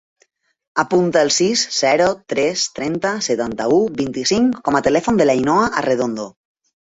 Apunta el sis, zero, tres, trenta, setanta-u, vint-i-cinc com a telèfon de l'Ainhoa Arredondo.